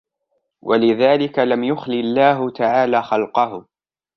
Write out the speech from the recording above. وَلِذَلِكَ لَمْ يُخْلِ اللَّهُ تَعَالَى خَلْقَهُ